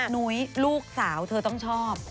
นุ้ยลูกสาวเธอต้องชอบ